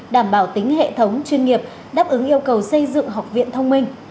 đảm bảo tính hệ thống chuyên nghiệp đáp ứng yêu cầu xây dựng học viện thông minh